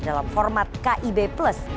dalam format kib plus